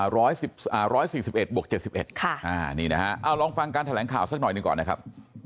ร้อย๔๑บวก๗๑ค่ะนี่นะฮะเอาลองฟังการแถลงข่าวสักหน่อยหนึ่งก่อนนะครับ